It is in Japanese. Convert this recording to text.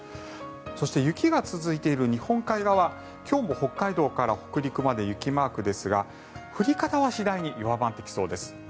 そして、雪が続いている日本海側今日も北海道から北陸まで雪マークですが、降り方は次第に弱まってきそうです。